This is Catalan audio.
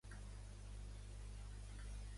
Per quin motiu Agravain se sent recelós de Lancelot?